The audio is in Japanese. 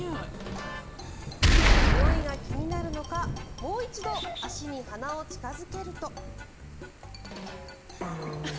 においが気になるのかもう一度足に鼻を近付けると。